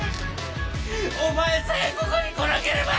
お前さえここに来なければ！